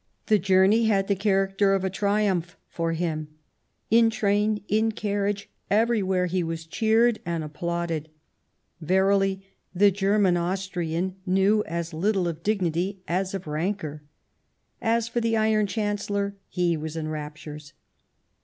The journey had the character of a triumph for him ; in train, in carriage, everywhere, he was cheered and applauded. Verily, the German Austrian knew as little of dignity as of rancour. As for the Iron Chancellor, he was in raptures.